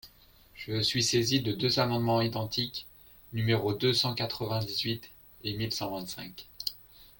Je suis saisie de deux amendements identiques, numéros deux cent quatre-vingt-dix-huit et mille cent vingt-cinq.